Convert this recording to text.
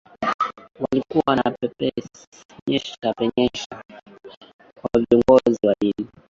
walikuwa wanayapenyesha penyesha kwa viongozi wa dini